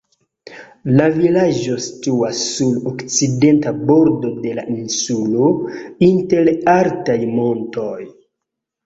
La vilaĝo situas sur okcidenta bordo de la insulo, inter altaj montoj.